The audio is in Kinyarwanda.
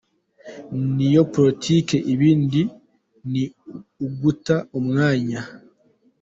Niyo politiki ibindi ni uguta umwanya.